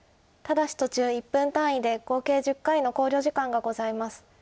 ただし途中１分単位で合計１０回の考慮時間がございます。